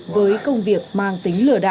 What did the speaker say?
với công việc mang tính lừa đảo